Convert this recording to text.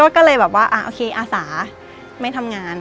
ก็เลยแบบว่าโอเคอาสาไม่ทำงาน